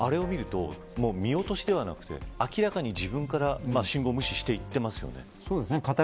もう、見落としではなくて明らかに自分から信号を無視していってますよね。